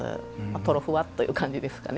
とろふわという感じですかね。